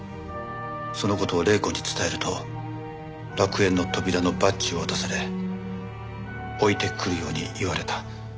その事を麗子に伝えると楽園の扉のバッジを渡され置いてくるように言われた。